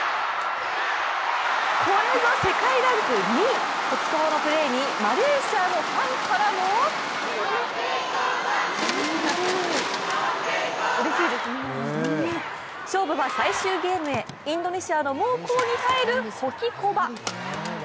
これぞ世界ランク２位、ホキコバのプレーにマレーシアのファンからも勝負は最終ゲームへインドネシアの猛攻に耐えるホキコバ。